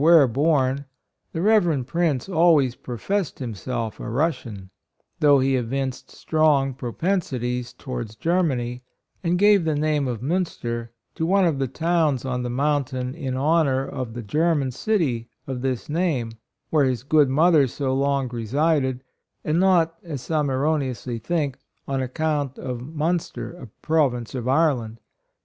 where born, the Rev. Prince always professed himself a Russian, though he evinced strong propensities to wards Germany, and gave the name of Munster to one of the towns on the mountain in honor of the German city of this name, where his good mother so long resided, and not, as some erroneously think, on account of Munster, a Province of Ireland.